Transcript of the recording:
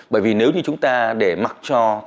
bởi vì nếu như chúng ta để mặc cho